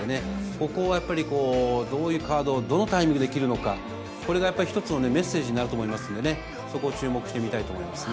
ここをやっぱり、どういうカードを、どのタイミングで切るのか、これがやっぱり一つのメッセージになると思うんでね、そこを注目してみたいと思いますね。